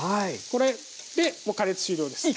これで加熱終了です。